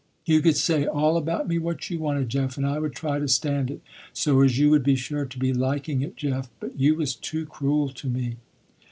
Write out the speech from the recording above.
You could say all about me what you wanted, Jeff, and I would try to stand it, so as you would be sure to be liking it, Jeff, but you was too cruel to me.